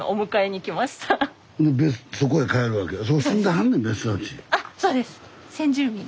そこへ帰るわけや。